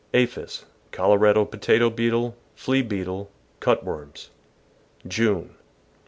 — Aphis, Colorado potato beetle, flea beetle, cut worms. June.